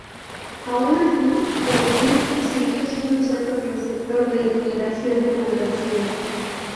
Aun así, Algemesí siguió siendo centro receptor de inmigración de población.